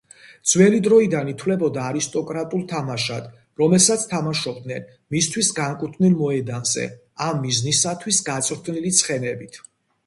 ძველი დროიდან ითვლებოდა არისტოკრატულ თამაშად, რომელსაც თამაშობდნენ მისთვის განკუთვნილ მოედანზე, ამ მიზნისათვის გაწვრთნილი ცხენებით.